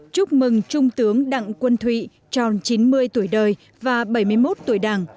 chúc mừng trung tướng đặng quân thụy tròn chín mươi tuổi đời và bảy mươi một tuổi đảng